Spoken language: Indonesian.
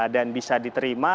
dan bisa diterima